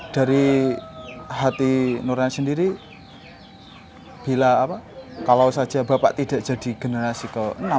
dari hati nurani sendiri bila kalau saja bapak tidak jadi generasi ke enam